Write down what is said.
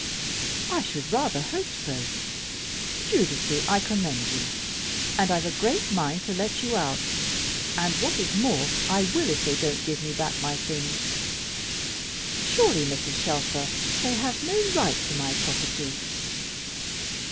"I should rather hope so. Giudice, I commend you; and I've a great mind to let you out, and what is more, I will if they don't give me back my things. Surely, Mrs. Shelfer, they have no right to my property."